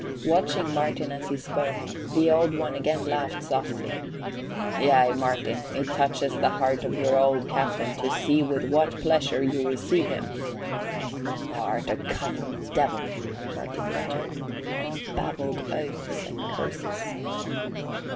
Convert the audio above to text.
Watching Martin, as he spoke, the Old One again laughed softly. "Yea, Martin, it touches the heart of your old captain to see with what pleasure you receive him." "Th' art a cunning devil," Martin muttered, and babbled oaths and curses.